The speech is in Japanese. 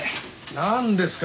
なんですか？